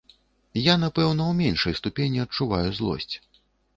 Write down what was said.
Я, напэўна, у меншай ступені адчуваю злосць.